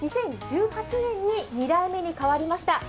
２０１８年に２代目に代わりました。